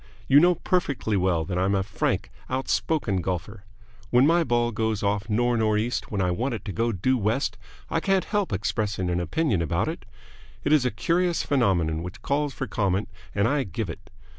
You know perfectly well that I'm a frank, outspoken golfer. When my ball goes off nor' nor' east when I want it to go due west I can't help expressing an opinion about it. It is a curious phenomenon which calls for comment, and I give it.